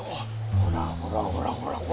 ほらほらほらほらほら！